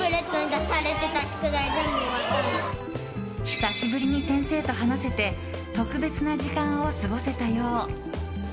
久しぶりに先生と話せて特別な時間を過ごせたよう。